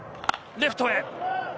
レフトへ。